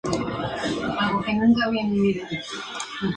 A Mozart le gustó este tema y lo apuntó rápidamente para usarlo más tarde.